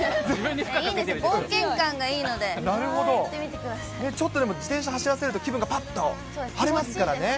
冒険感がいいので、やってみちょっとでも自転車走らせると、気分がぱっと晴れますからね。